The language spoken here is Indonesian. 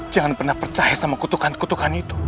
jangan pernah percaya sama kutukan kutukan itu